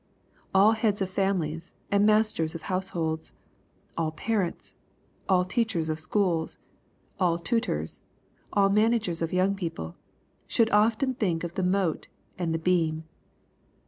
All heads of families and masters of households, all parents, all teacders of schools, all tutors, all managers of young people,— should often think of the "mote" and the "beam.'